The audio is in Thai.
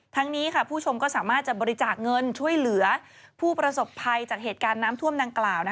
ทั้งนี้ผู้ชมก็สามารถจะบริจาคเงินช่วยเหลือผู้ประสบภัยจากเหตุการณ์น้ำท่วมดังกล่าว